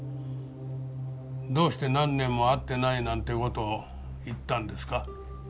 どうして何年も会ってないなんて事を言ったんですか？